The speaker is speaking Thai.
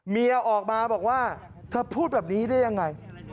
เมียออกมาบอกว่าเธอพูดแบบนี้ได้ยังไง